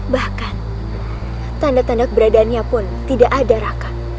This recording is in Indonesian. bahkan tanda tanda keberadaannya pun tidak ada raka